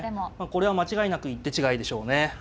これは間違いなく一手違いでしょうね。